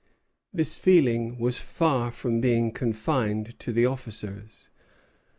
This feeling was far from being confined to the officers.